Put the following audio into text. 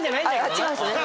あっ違うんですね。